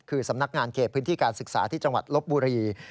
คือสำนักงานเขตพื้นที่การศึกษาที่จังหวัดลบบุรี